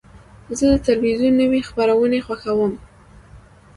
زه د تلویزیون نوی خپرونې خوښوم.